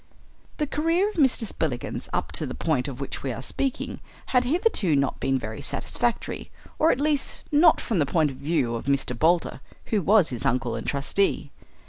The career of Mr. Spillikins up to the point of which we are speaking had hitherto not been very satisfactory, or at least not from the point of view of Mr. Boulder, who was his uncle and trustee.